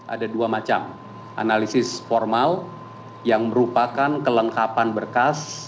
ada dua macam analisis formal yang merupakan kelengkapan berkas